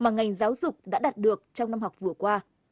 nghành giáo dục đã đạt được trong năm học vừa qua